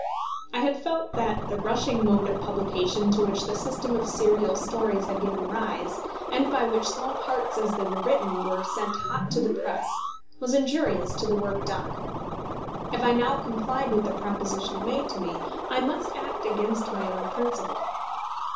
I had felt that the rushing mode of publication to which the system of serial stories had given rise, and by which small parts as they were written were sent hot to the press, was injurious to the work done. If I now complied with the proposition made to me, I must act against my own principle.